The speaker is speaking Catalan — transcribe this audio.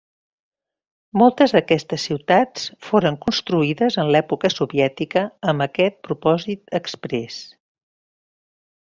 Moltes d'aquestes ciutats foren construïdes en l'època soviètica amb aquest propòsit exprés.